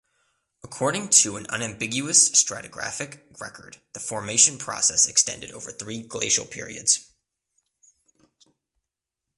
According to an unambiguous stratigraphic record the formation process extended over three glacial periods.